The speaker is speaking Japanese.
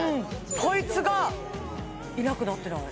こいつがいなくなってない？